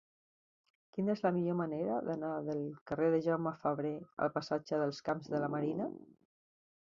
Quina és la millor manera d'anar del carrer de Jaume Fabre al passatge dels Camps de la Marina?